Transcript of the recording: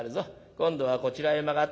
今度はこちらへ曲がって」。